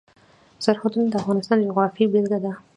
سرحدونه د افغانستان د جغرافیې بېلګه ده.